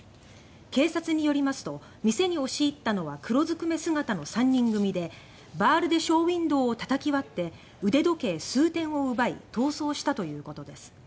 警察によりますと店に押し入ったのは黒づくめ姿の３人組でバールでショーウインドをたたき割って腕時計数点を奪い逃走したということです。